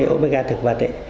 omega thực vật